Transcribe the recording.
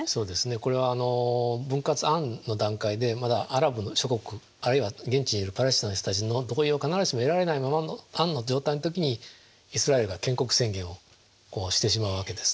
これは分割案の段階でまだアラブの諸国あるいは現地にいるパレスティナの人たちの同意を必ずしも得られないままの案の状態の時にイスラエルが建国宣言をしてしまうわけですね。